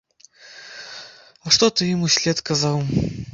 А што ты ім услед казаў?